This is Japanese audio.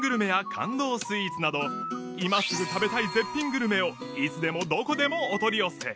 スイーツなど今すぐ食べたい絶品グルメをいつでもどこでもお取り寄せ